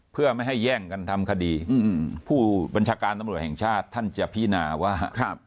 เพื่อไม่ให้แย่งกันทำคดีผู้บัญชาการตำรวจแห่งชาติท่านจะพินาว่า